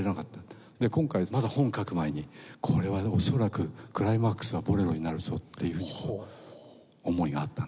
で今回まだ本書く前にこれは恐らくクライマックスは『ボレロ』になるぞっていう思いがあったんです。